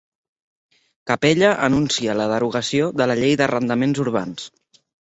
Capella anuncia la derogació de la llei d'arrendaments urbans